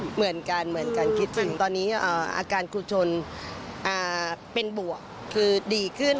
เหมือนกันเหมือนกันคิดถึงตอนนี้อาการครูชนเป็นบวกคือดีขึ้น